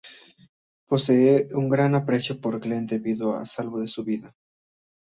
Posee un gran aprecio por Glenn debido a que salvo su vida.